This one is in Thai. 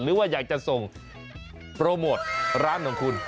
หรือว่าอยากจะส่งโปรโมทร้านของคุณ